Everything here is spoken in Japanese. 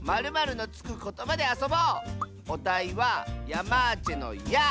おだいはヤマーチェの「や」！